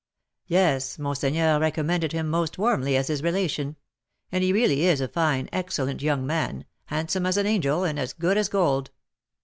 "Yes; monseigneur recommended him most warmly as his relation; and he really is a fine, excellent young man, handsome as an angel, and as good as gold."